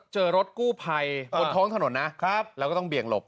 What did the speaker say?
เจอรถกู้ภัยบนท้องถนนนะแล้วก็ต้องเบี่ยงหลบ